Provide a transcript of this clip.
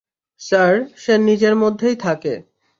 Sir, সে নিজের মধ্যেই থাকে।